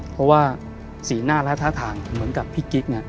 เพราะว่าศีลหน้ารักทะทางเหมือนกับพี่กิ๊ก